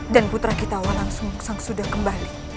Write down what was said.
dan putra kita walangsung sang sudah kembali